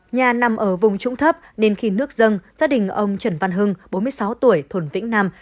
nhà nằm ở vùng trũng thấp nên khi nước dâng gia đình ông trần văn hưng bốn mươi sáu tuổi thuần vĩnh nam